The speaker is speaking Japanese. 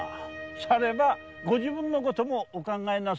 さればご自分のこともお考えなされませ。